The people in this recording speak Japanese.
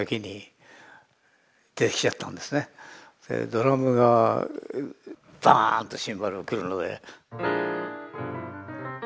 ドラムがバーンとシンバルがくるので。